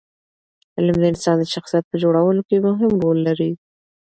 علم د انسان د شخصیت په جوړولو کې مهم رول لري.